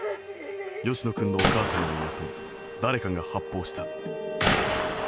吉野君のお母さんが言うと誰かが発砲した。